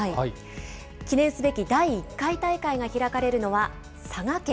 記念すべき第１回大会が開かれるのは佐賀県。